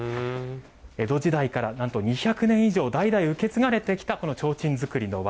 江戸時代からなんと２００年以上、代々受け継がれてきた、この提灯作りの技。